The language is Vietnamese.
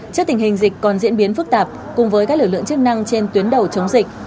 trước tình hình dịch còn diễn biến phức tạp cùng với các lực lượng chức năng trên tuyến đầu chống dịch